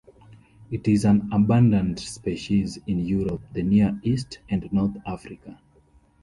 It is an abundant species in Europe, the Near East and North Africa.